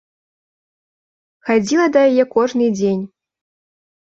Хадзіла да яе кожны дзень.